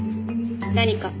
何か？